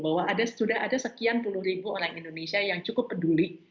bahwa sudah ada sekian puluh ribu orang indonesia yang cukup peduli